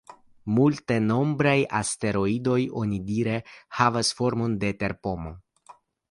Multenombraj asteroidoj onidire havas formon de terpomo.